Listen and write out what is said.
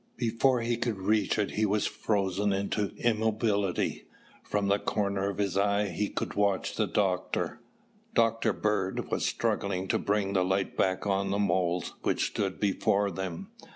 Before he could reach it he was frozen into immobility. From the corner of his eye he could watch the doctor. Dr. Bird was struggling to bring the light back on the moles which stood before them.